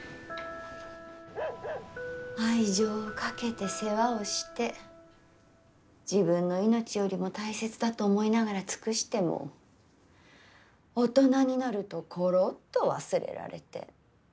愛情をかけて世話をして自分の命よりも大切だと思いながら尽くしても大人になるとコロッと忘れられて。